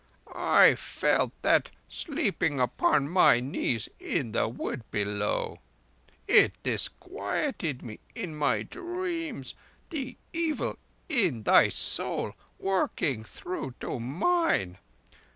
"I felt that, sleeping upon thy knees, in the wood below. It disquieted me in my dreams—the evil in thy soul working through to mine.